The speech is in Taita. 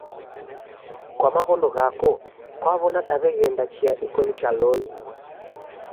Kwa maw'ono ghako kwaw'ona daw'eghenda chia iko nicha loli?